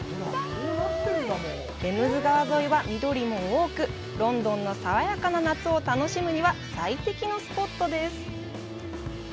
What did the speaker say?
テムズ川沿いは緑も多く、ロンドンの爽やかな夏を楽しむには最適のスポットです。